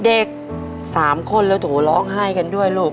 เด็ก๓คนแล้วโถร้องไห้กันด้วยลูก